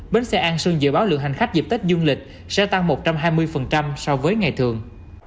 bến xe an sơn dự báo lượng hành khách dịp tết dương lịch sẽ tăng một trăm hai mươi so với ngày thường